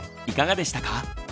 いかがでしたか？